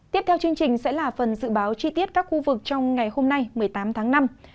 tiếp theo chương trình sẽ là phần dự báo chi tiết các khu vực trong ngày hôm nay một mươi tám tháng năm